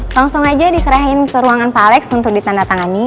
langsung aja diserahin ke ruangan pak alex untuk ditandatangani